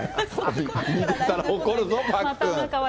見てたら怒るぞ、パックン。